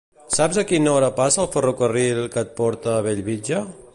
Saps a quina hora passa el ferrocarril que et porta a Bellvitge?